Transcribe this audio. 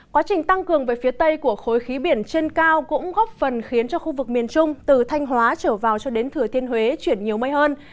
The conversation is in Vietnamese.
quá trình tăng cường về phía tây của khối khí biển trên cao cũng góp phần khiến cho khu vực miền trung từ thanh hóa trở vào cho đến thừa thiên huế chuyển nhiều mây hơn